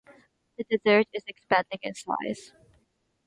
The desert is expanding in size.